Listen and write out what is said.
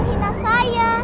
dia sudah menghina saya